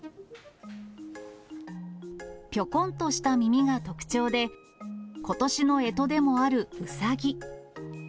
ぴょこんとした耳が特徴で、ことしのえとでもあるうさぎ。